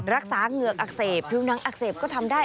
เหงือกอักเสบผิวหนังอักเสบก็ทำได้